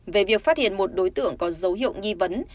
về việc phát hiện một đối tượng có dấu hiệu nghi vấn